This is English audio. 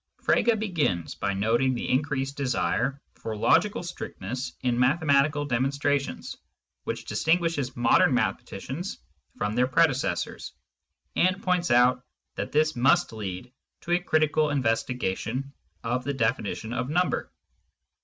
Frege begins by noting the increased desire for logical strictness in mathematical demonstrations which distin guishes modern mathematicians from their predecessors, and points out that this must lead to a critical investiga tion of the definition of number.